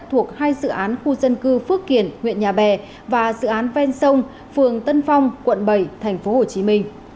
thuộc hai dự án khu dân cư phước kiển huyện nhà bè và dự án ven sông phường tân phong quận bảy tp hcm